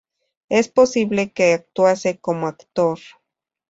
Es posible que actuase como actor.